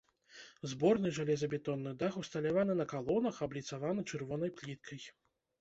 Зборны жалезабетонны дах усталяваны на калонах, абліцаваны чырвонай пліткай.